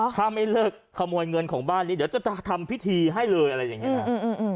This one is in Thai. ถ้าไม่เลิกขโมยเงินของบ้านนี้เดี๋ยวจะทำพิธีให้เลยอะไรอย่างนี้นะ